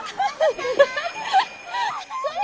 それ！